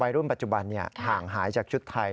รุ่นปัจจุบันห่างหายจากชุดไทย